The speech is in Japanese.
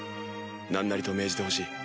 何なりと命じてほしい。